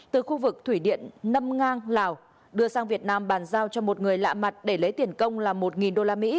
từ khu vực thủy điện nâm ngang lào đưa sang việt nam bàn giao cho một người lạ mặt để lấy tiền công là một usd